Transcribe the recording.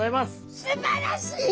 すばらしい！